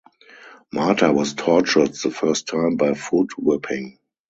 Martha was tortured the first time by foot whipping.